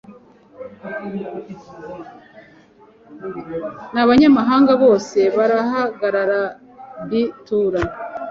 n abanyamahanga bose barahagarara b tura